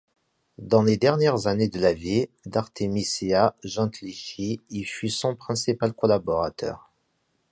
Dans les dernières années de la vie d'Artemisia Gentileschi, il fut son principal collaborateur.